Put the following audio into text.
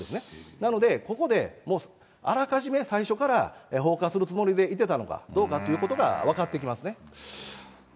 なので、ここでもうあらかじめ最初から放火するつもりで言ってたのがどうかっていうことが分かってきますね。